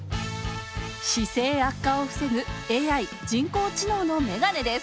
姿勢悪化を防ぐ、ＡＩ＝人工知能の眼鏡です。